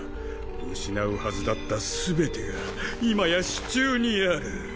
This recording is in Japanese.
失うはずだった全てが今や手中にある！